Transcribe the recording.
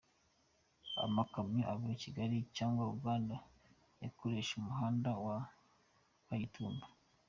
Amakamyo ava Kigali cyangwa Uganda yakoresha umuhanda wa Kagitumba.